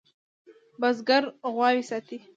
بزگر غواوې ساتي.